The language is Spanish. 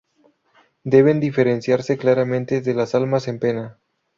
Deben diferenciarse claramente de las almas en pena.